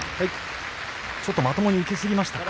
ちょっとまともに受けすぎましたか。